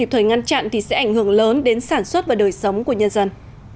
nếu thầy ngăn chặn thì sẽ ảnh hưởng lớn đến sản xuất và đời sống của nhân dân